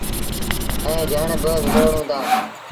ائيٚݩ جھڻ با ولوڙون دآ۔